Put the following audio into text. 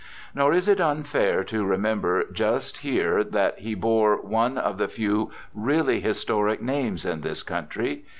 Nor is it unfair to remember just here that he bore one of the few really historic names in this country.